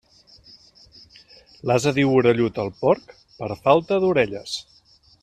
L'ase diu orellut al porc, per falta d'orelles.